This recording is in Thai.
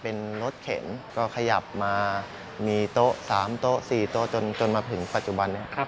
เป็นรถเข็นก็ขยับมามีตัว๓๔ตัวจนมาถึงปัจจุบันนี้